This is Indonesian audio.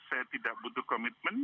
saya tidak butuh commitment